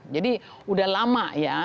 jadi udah lama ya